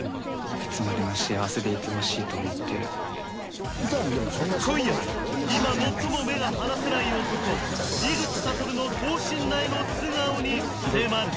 いつまでも幸せでいてほしいと思ってる今夜は今最も目が離せない男井口理の等身大の素顔に迫る